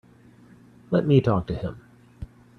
Let me talk to him.